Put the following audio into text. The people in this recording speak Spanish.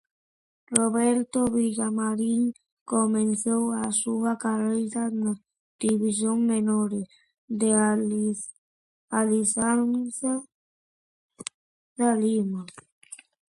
Roberto Villamarín comenzó su carrera en las divisiones menores de Alianza Lima.